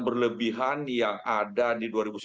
berlebihan yang ada di